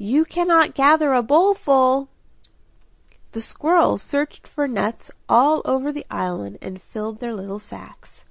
And you cannot gather a bowl full!" The squirrels searched for nuts all over the island and filled their little sacks.